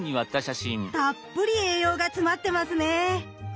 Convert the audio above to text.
たっぷり栄養が詰まってますね。